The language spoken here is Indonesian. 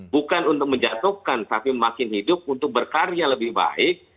bukan untuk menjatuhkan tapi makin hidup untuk berkarya lebih baik